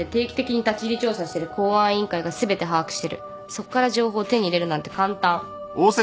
そっから情報手に入れるなんて簡単。